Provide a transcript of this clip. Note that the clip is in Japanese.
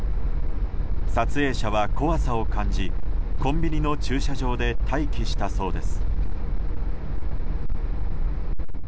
撮影者は怖さを感じ、コンビニの駐車場で待機したそうです。